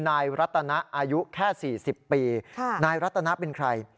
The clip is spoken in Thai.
อายุแค่๔๐ปีนายรัตนาเป็นใคร